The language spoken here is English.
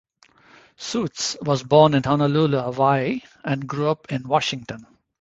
Suits was born in Honolulu, Hawaii and grew up in Washington.